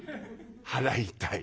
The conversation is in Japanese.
「払いたい」。